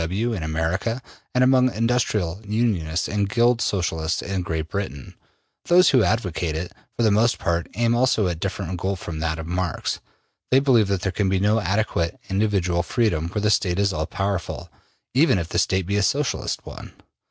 W. W. in America, and among Industrial Unionists and Guild Socialists in Great Britain. Those who advocate it, for the most part, aim also at a different goal from that of Marx. They believe that there can be no adequate individual freedom where the State is all powerful, even if the State be a Socialist one.